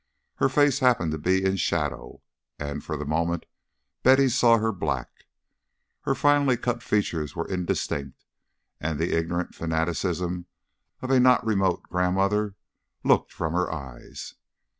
Her face happened to be in shadow, and for the moment Betty saw her black. Her finely cut features were indistinct, and the ignorant fanaticism of a not remote grandmother looked from her eyes.